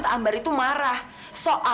tante ambar itu marah tante ambar itu marah